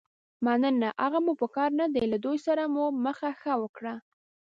مننه، هغه مو په کار نه دي، له دوی سره مو مخه ښه وکړه.